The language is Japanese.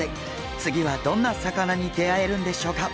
次はどんな魚に出会えるんでしょうか？